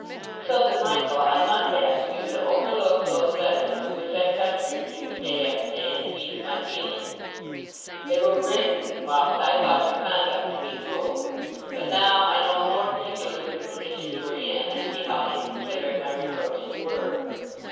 "So that, Michael, I must ask you to overlook those letters with which I pestered you day after day in the heat of my feelings. They were written whilst I thought your conduct to me cruel; but now I know more particulars of the position you were in I see how inconsiderate my reproaches were.